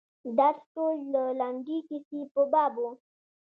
درس ټول د لنډې کیسې په باب و.